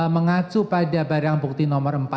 mengacu pada barang bukti nomor empat